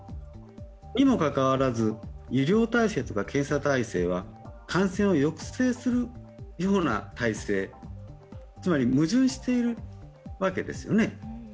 にもかかわらず、医療体制とか検査体制は感染を抑制するような体制、つまり矛盾しているわけですね。